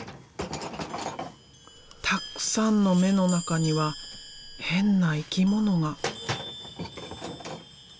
たっくさんの目の中には変な生き物が。